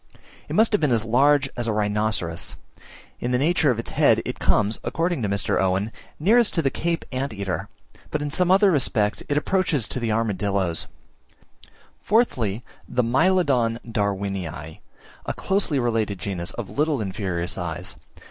It must have been as large as a rhinoceros: in the structure of its head it comes according to Mr. Owen, nearest to the Cape Anteater, but in some other respects it approaches to the armadilloes. Fourthly, the Mylodon Darwinii, a closely related genus of little inferior size.